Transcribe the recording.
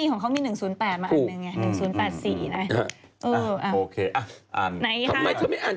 โอเคอ่ะอ่านหนึ่ง